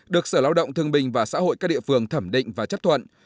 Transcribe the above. được sở lao động thương bình và xã hội các địa phương thẩm định và chấp thuận